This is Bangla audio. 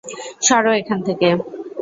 সরো এখান থেকে।